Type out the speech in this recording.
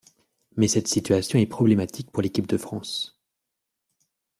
Mais cette situation est problématique pour l'équipe de France.